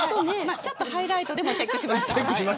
ちょっとハイライトでもチェックしました。